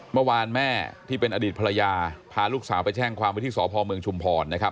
เมื่อวานแม่ที่เป็นอดีตภรรยาพาลูกสาวไปแจ้งความวิธีสอบภอมเมืองชุมพรนะครับ